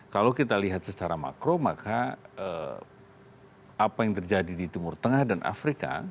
kalau kita lihat secara makro maka apa yang terjadi di timur tengah dan afrika